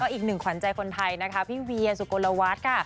อีกหนึ่งขวัญใจคนไทยนะคะพี่เวียสุโกลวัฒน์ค่ะ